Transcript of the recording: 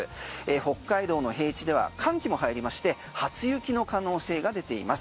北海道の平地では寒気も入りまして初雪の可能性が出ています。